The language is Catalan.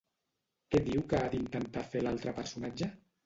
Què diu que ha d'intentar fer l'altre personatge?